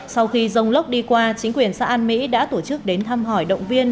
sau khi rông lốc đi qua chính quyền xã an mỹ đã tổ chức đến thăm hỏi động viên